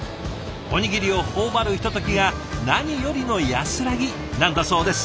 おにぎりを頬張るひとときが何よりの安らぎなんだそうです。